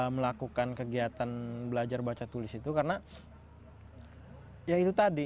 melakukan kegiatan belajar baca tulis itu karena ya itu tadi